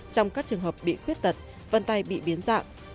trong các trường hợp bị khuyết tật vân tay bị biến dạng